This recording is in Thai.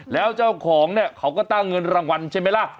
แล้วเจ้าของเนี่ยเขาก็ตั้งเงินรางวัลใช่ไหมล่ะ